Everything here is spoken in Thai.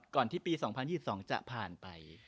ที่ปี๒๐๒๒จะผ่านไป